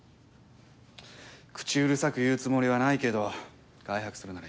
口うるさく言うつもりはないけど外泊するなら言ってよ。